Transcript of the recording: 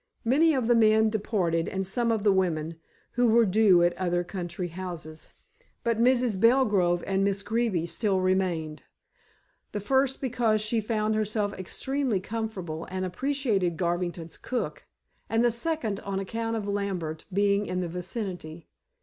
Many of the men departed, and some of the women, who were due at other country houses; but Mrs. Belgrove and Miss Greeby still remained. The first because she found herself extremely comfortable, and appreciated Garvington's cook; and the second on account of Lambert being in the vicinity.